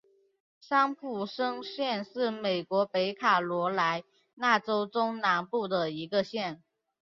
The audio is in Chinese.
桑普森县是美国北卡罗莱纳州中南部的一个县。